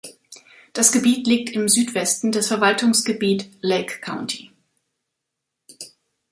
Das Gebiet liegt im Südwesten des Verwaltungsgebiet Lake County.